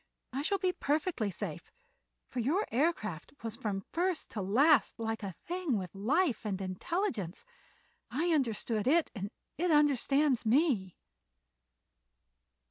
I shall be perfectly safe, for your aircraft was from first to last like a thing with life and intelligence. I understand it, and it understands me."